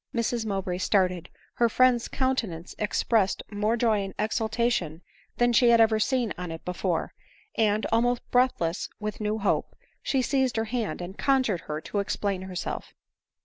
Mrs Mowbray started — her friend's countenance ex pressed more joy and exultation than she had ever seen on it before ; and, almost breathless with new hope, she seized her hand and conjured her to explain herself.